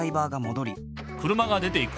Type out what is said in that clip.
車が出ていく。